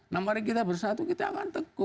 nah mari kita bersatu kita akan teguh